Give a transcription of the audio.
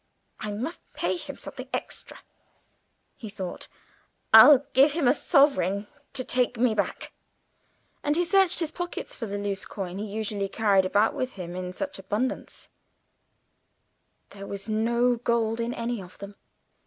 "I must pay him something extra," he thought; "I'll give him a sovereign to take me back." And he searched his pockets for the loose coin he usually carried about with him in such abundance; there was no gold in any of them.